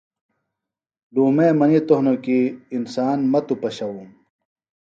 لومئیہ منیتوۡ ہنوۡ کیۡ انسان مہ توۡ پشوُوم